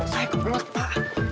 saya kebelet pak